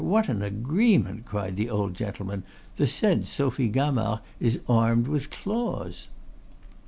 what an agreement!" cried the old gentleman. "The said Sophie Gamard is armed with claws."